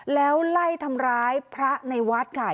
แล้วไล่ทำร้ายพระในวัดค่ะ